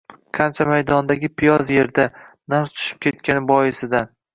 Qancha maydondagi piyoz yerda, narx tushib ketgani boisidan